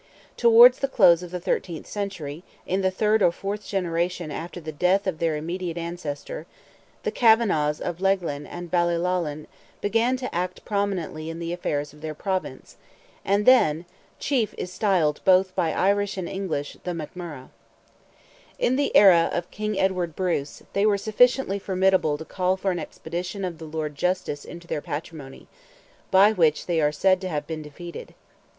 Towards the close of the thirteenth century, in the third or fourth generation, after the death of their immediate ancestor, the Kavanaghs of Leighlin and Ballyloughlin begin to act prominently in the affairs of their Province, and their chief is styled both by Irish and English "the McMurrogh." In the era of King Edward Bruce, they were sufficiently formidable to call for an expedition of the Lord Justice into their patrimony, by which they are said to have been defeated.